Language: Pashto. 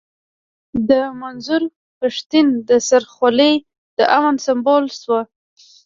د منظور پښتين د سر خولۍ د امن سيمبول شوه.